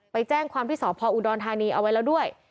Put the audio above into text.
ไปแจ้งความที่สพอุดรธานีเอาไว้แล้วด้วย